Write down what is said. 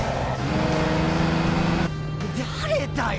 誰だよ！